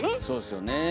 そうですよね。